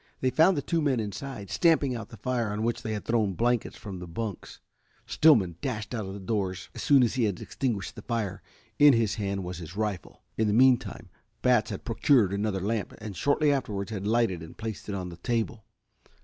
They found the two men inside stamping out the fire on which they had thrown blankets from the bunks. Stillman dashed out of doors as soon as he had extinguished the fire. In his hand was his rifle. In the meantime Batts had procured another lamp and shortly afterwards had lighted and placed it on the table.